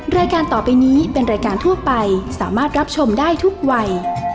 รายการต่อไปนี้เป็นรายการทั่วไปสามารถรับชมได้ทุกวัย